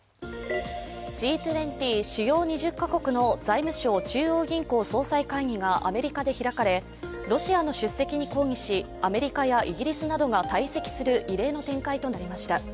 Ｇ２０＝主要２０か国の財務相・中央銀行総裁会議がアメリカで開かれ、ロシアの出席に抗議しアメリカやイギリスなどが退席する異例の展開となりました。